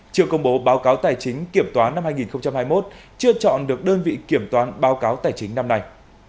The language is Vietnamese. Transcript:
chưa công bố báo cáo tài chính kiểm toán năm hai nghìn hai mươi một chưa chọn được đơn vị kiểm toán báo cáo tài chính năm nay